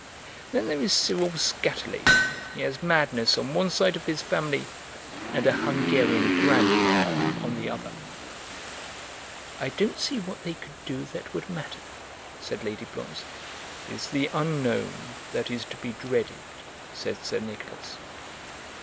Then there is Cyril Skatterly; he has madness on one side of his family and a Hungarian grandmother on the other." "I don't see what they could do that would matter," said Lady Blonze. "It's the unknown that is to be dreaded," said Sir Nicholas.